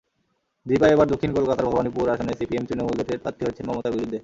দীপা এবার দক্ষিণ কলকাতার ভবানীপুর আসনে সিপিএম-তৃণমূল জোটের প্রার্থী হয়েছেন মমতার বিরুদ্ধে।